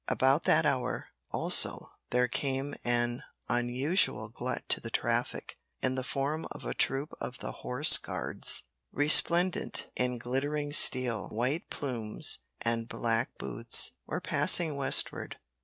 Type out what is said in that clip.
About that hour, also, there came an unusual glut to the traffic, in the form of a troop of the horse guards. These magnificent creatures, resplendent in glittering steel, white plumes, and black boots, were passing westward.